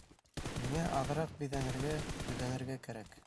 Миңә аҙыраҡ биҙәнергә-төҙәнергә кәрәк.